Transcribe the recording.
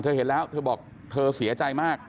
เห็นแล้วเธอบอกเธอเสียใจมาก